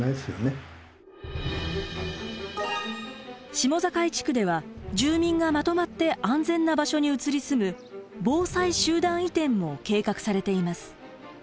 下境地区では住民がまとまって安全な場所に移り住む防災集団移転も計画されています。